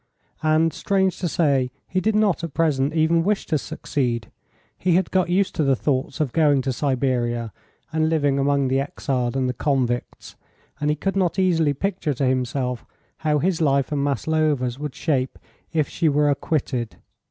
And, strange to say, he did not at present even wish to succeed; he had got used to the thought of going to Siberia and living among the exiled and the convicts, and he could not easily picture to himself how his life and Maslova's would shape if she were acquitted.